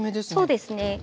そうですね。